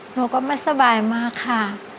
หนูก็ไม่สบายมากค่ะ